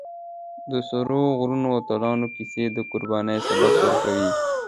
د سرو غرونو اتلانو کیسه د قربانۍ سبق ورکوي.